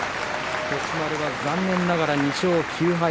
栃丸は残念ながら２勝９敗。